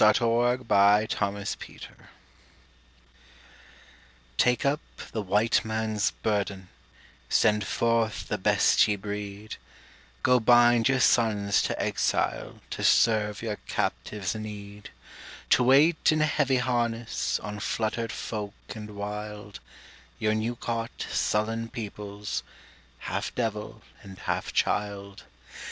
VII THE WHITE MAN'S BURDEN 1899 Take up the White Man's burden Send forth the best ye breed Go bind your sons to exile To serve your captives' need; To wait in heavy harness, On fluttered folk and wild Your new caught, sullen peoples, Half devil and half child.